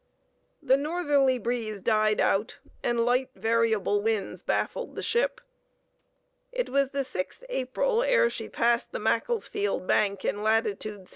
The northerly breeze died out, and light variable winds baffled the ship. It was the 6th April ere she passed the Macclesfield Bank in latitude 16.